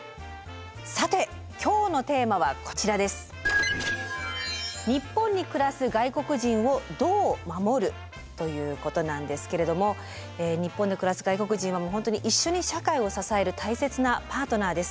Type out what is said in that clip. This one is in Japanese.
さて今日のテーマはこちらです！ということなんですけれども日本で暮らす外国人はもう本当に一緒に社会を支える大切なパートナーです。